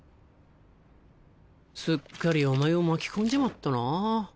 すっかりお前を巻き込んじまったなぁ。